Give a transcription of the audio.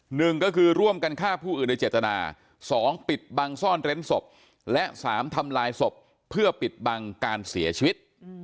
หนึ่งก็คือร่วมกันฆ่าผู้อื่นโดยเจตนาสองปิดบังซ่อนเร้นศพและสามทำลายศพเพื่อปิดบังการเสียชีวิต